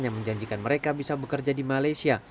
yang menjanjikan mereka bisa bekerja di malaysia